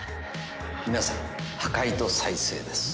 皆さん破壊と再生です。